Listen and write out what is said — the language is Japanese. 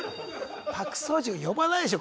パク・ソジュン呼ばないでしょ